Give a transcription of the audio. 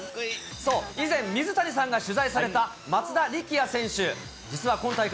そう、以前、水谷さんが取材された松田力也選手。